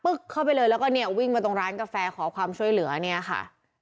เข้าไปเลยแล้วก็เนี่ยวิ่งมาตรงร้านกาแฟขอความช่วยเหลือเนี่ยค่ะ